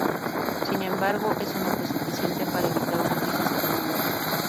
Sin embargo, eso no fue suficiente para evitar una crisis económica.